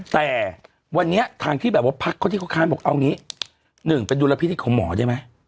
แต่วันนี้ทางที่แบบว่าพักเขาที่เขาค้านบอกเอางี้๑เป็นดุลพินิษฐ์ของหมอได้ไหม